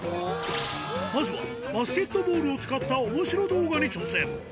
まずは、バスケットボールを使った、おもしろ動画に挑戦。